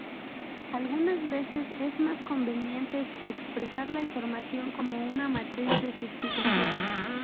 Algunas veces es más convenientes expresar la información como una matriz de sustitución.